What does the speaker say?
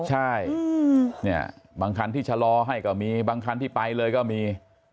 ใช่เนี่ยบางคันที่ชะลอให้ก็มีบางคันที่ไปเลยก็มี